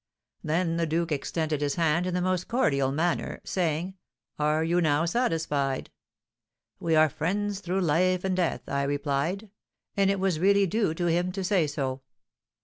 Then the duke extended his hand in the most cordial manner, saying,'Are you now satisfied?' 'We are friends through life and death,' I replied; and it was really due to him to say so.